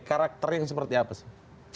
karakternya seperti apa sih